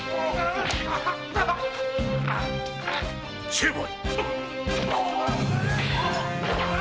成敗！